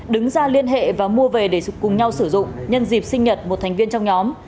đứng ra liên hệ và mua về để cùng nhau sử dụng nhân dịp sinh nhật một thành viên trong nhóm